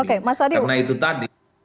karena itu tadi